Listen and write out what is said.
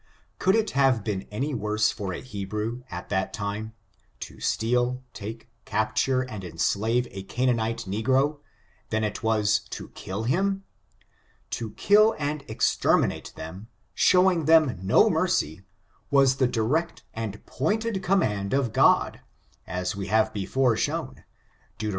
Gould it have been any worse for a Hebrew, at that ^^^^w^^^^^^^^^^^ 336 ORIGIN, CHARACTER, AND time, to steal, take, capture and enslave a Canaanite negro, than it was to kill him? To kill and exter minate them, showing them no mercy, was the direct and pointed command of God, as we have before shown, Deut.